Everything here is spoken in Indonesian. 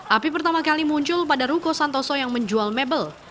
api pertama kali muncul pada ruko santoso yang menjual mebel